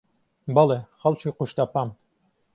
بەڵێ، خەڵکی قوشتەپەم.